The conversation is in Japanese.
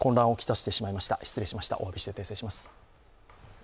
おわびして訂正します。